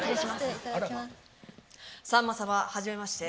さんま様はじめまして。